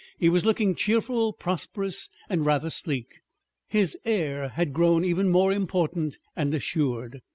He was looking cheerful, prosperous, and rather sleek. His air had grown even more important and assured.